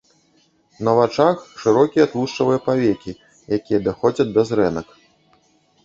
На вачах шырокія тлушчавыя павекі, якія даходзяць да зрэнак.